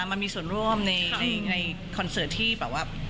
มันมีส่วนร่วมในคอนเสิร์ตที่แบบว่า